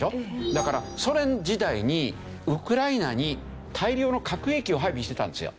だからソ連時代にウクライナに大量の核兵器を配備してたんですよ。